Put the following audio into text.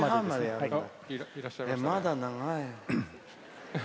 まだ長い。